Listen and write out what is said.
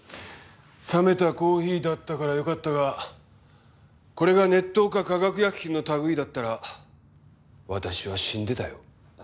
冷めたコーヒーだったからよかったがこれが熱湯か化学薬品の類いだったら私は死んでたよ。